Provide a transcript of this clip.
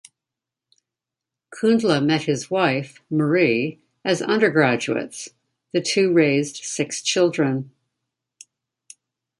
Kundla met his wife, Marie, as undergraduates; the two raised six children.